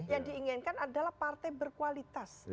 yang diinginkan adalah partai berkualitas